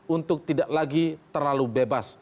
untuk tidak lagi terlalu bebas